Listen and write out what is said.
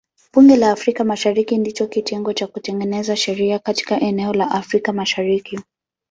Bunge la Afrika Mashariki ndicho kitengo cha kutengeneza sheria katika eneo la Afrika Mashariki.